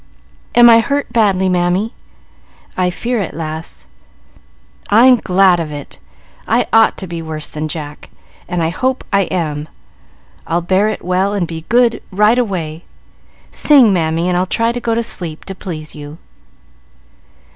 "Am I hurt badly, Mammy?" "I fear it, lass." "I'm glad of it; I ought to be worse than Jack, and I hope I am. I'll bear it well, and be good right away. Sing, Mammy, and I'll try to go to sleep to please you."